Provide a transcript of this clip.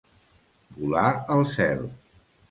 Volar al cel.